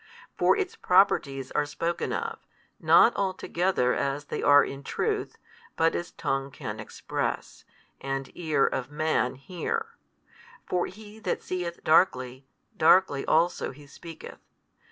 For Its Properties are spoken of, not altogether as they are in truth, but as tongue can express, and ear of man hear. For he that seeth darkly, darkly also he speaketh.